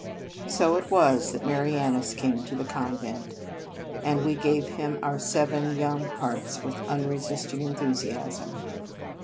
So it was that Marianus came to the convent, and we gave him our seven young hearts with unresisting enthusi asm.